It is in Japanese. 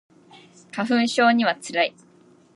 花粉症には辛い